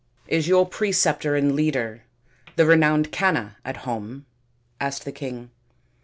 " Is your preceptor and leader, the renowned Canna, at home ?" asked the king.